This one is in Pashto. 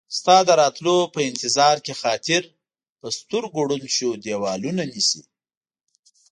ستا د راتلو په انتظار کې خاطر ، په سترګو ړوند شو ديوالونه نيسي